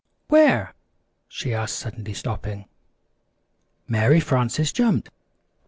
] "Where?" she asked suddenly stopping. Mary Frances jumped.